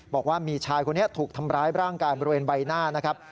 บอกว่ามีชายคนนี้ถูกทำร้ายร่างกายบริเวณใบหน้านะครับ